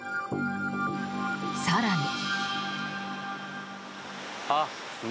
更に。